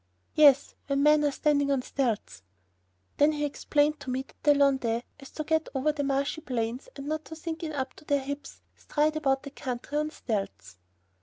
"Yes, when men are standing on stilts." Then he explained to me that the Landais, so as to get over the marshy plains, and not sink in up to their hips, stride about the country on stilts.